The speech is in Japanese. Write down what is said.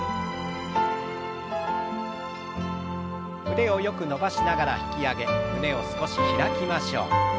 腕をよく伸ばしながら引き上げ胸を少し開きましょう。